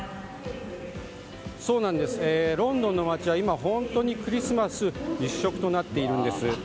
ロンドンの街は今クリスマス一色となっているんです。